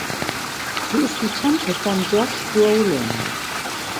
Sie ist die Tante von Josh Brolin.